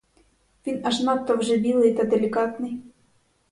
Він аж надто вже білий та делікатний.